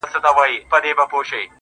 لټ پر لټ اوړمه د شپې، هغه چي بيا ياديږي,